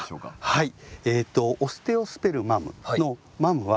はい。